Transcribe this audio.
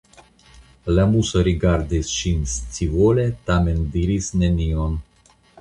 La Muso rigardis ŝin scivole, tamen diris nenion.